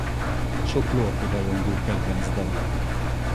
Sok Lordi-rajongó kedvenc dala.